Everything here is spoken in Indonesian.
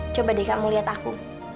coba deh kamu lihat aku